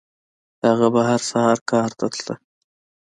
هغه به هر سهار کار ته تلو.